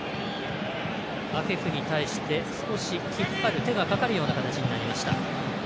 アフィフに対して少し手がかかるような形になりました。